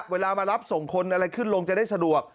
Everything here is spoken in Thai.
เวลามารับส่งคนอะไรขึ้นลงจะได้สะดวก